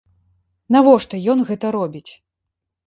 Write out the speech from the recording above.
Навошта ён гэта робіць?